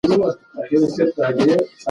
د ټولنیزو اړیکو دوام وسنجوه.